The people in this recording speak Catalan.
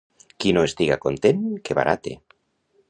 Qui no estiga content, que barate.